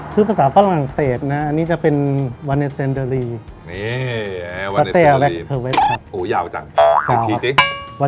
ชื่อภาษาฝรั่งเศสนะอันนี้จะเป็นเนี่ยค่ะโอ้ยาวจังแปลว่า